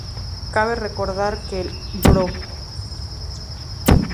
Cabe recordar que el Pbro.